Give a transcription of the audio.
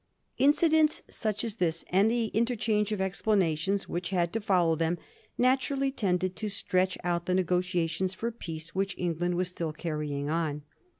Incidents such as this, and the interchange of explana tions which had to follow them, naturally tended to stretch out the negotiations for peace which England was still car rying on.